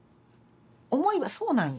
思いはそうなんよ。